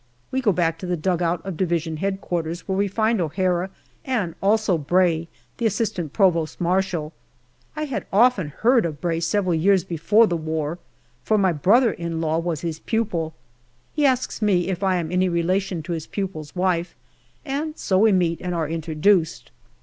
We go back to the dugout of D.H.Q., where we find O'Hara and also Bray, the A. P.M. I had often heard of Bray several years before the war, for my brother in law was his pupil. He asks me if I am any relation to his pupil's wife, and so we meet and are introduced.